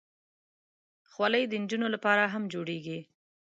خولۍ د نجونو لپاره هم جوړېږي.